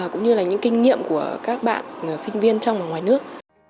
cũng như là những kinh nghiệm của các bạn sinh viên trong và ngoài nước